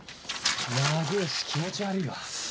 長えし気持ち悪いわ。